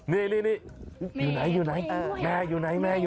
นี่อยู่ไหนอยู่ไหนแม่